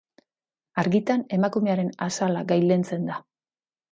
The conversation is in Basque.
Argitan emakumearen azala gailentzen da.